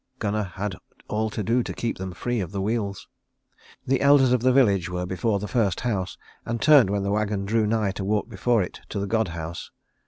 Gunnar had all to do to keep them free of the wheels. The elders of the village were before the first house and turned when the wagon drew nigh to walk before it to the god house.